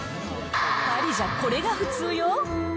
パリじゃこれが普通よ。